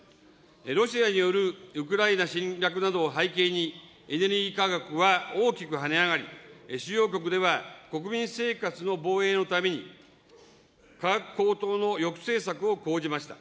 ロシアによるウクライナ侵略などを背景に、エネルギー価格は大きく跳ね上がり、主要国では国民生活の防衛のために、価格高騰の抑制策を講じました。